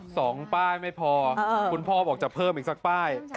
สองป้ายไม่พอคุณพ่อบอกจะเพิ่มอีกสักป้าย